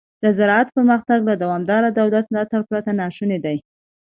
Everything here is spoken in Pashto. د زراعت پرمختګ له دوامداره دولت ملاتړ پرته ناشونی دی.